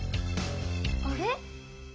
あれ？